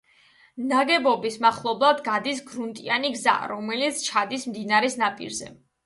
ნაგებობის მახლობლად გადის გრუნტიანი გზა, რომელიც ჩადის მდინარის ნაპირზე.